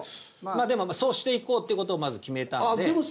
でもそうしていこうっていうことをまず決めたんで。